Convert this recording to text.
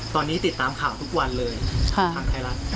ตอนนี้ติดตามข่าวทุกวันเลยค่ะ